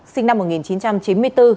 sinh năm một nghìn chín trăm chín mươi bốn